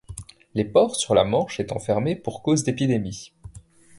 Les ports sur la Manche étant fermés pour cause d’épidémie.